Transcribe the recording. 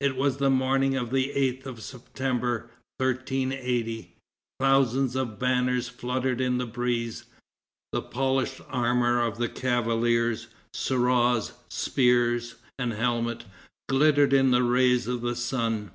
It was the morning of the 8th of September, 1380. Thousands of banners fluttered in the breeze. The polished armor of the cavaliers, cuirass, spear and helmet, glittered in the rays of the sun.